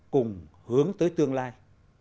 cùng hướng tới tương lai